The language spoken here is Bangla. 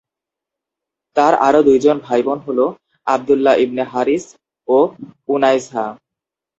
তার আরো দুইজন ভাই বোন হল আবদুল্লাহ ইবনে হারিস ও উনায়সা।